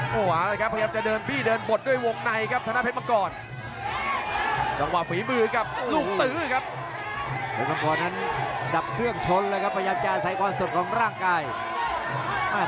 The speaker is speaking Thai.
เผ็ดมองกรนั้นดับเครื่องชนเลยครับพยายามจะใส่ความสดของร่างกาย